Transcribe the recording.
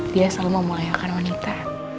dia selalu memulai akan wanita